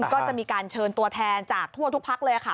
ก็จะมีการเชิญตัวแทนจากทั่วทุกพักเลยค่ะ